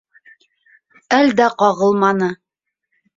Әл дә ҡағылманы.